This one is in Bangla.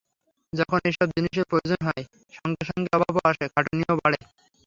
যখন এইসব জিনিষের প্রয়োজন হয়, সঙ্গে সঙ্গে অভাবও আসে, খাটুনিও বাড়ে।